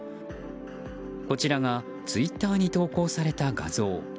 こちらがツイッターに投稿された画像。